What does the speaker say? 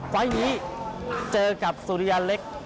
ไฟล์นี้เจอกับสุริยาเล็ก